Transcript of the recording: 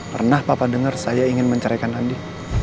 pernah papa dengar saya ingin mencerahkan andi